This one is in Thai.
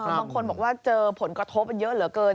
บางคนบอกว่าเจอผลกระทบมันเยอะเหลือเกิน